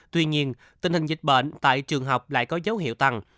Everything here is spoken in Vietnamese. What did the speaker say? tuy nhiên tình hình dịch bệnh tại trường học lại có dấu hiệu tăng